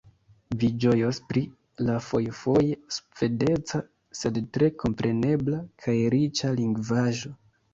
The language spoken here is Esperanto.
Vi ĝojos pri la fojfoje svedeca, sed tre komprenebla kaj riĉa lingvaĵo.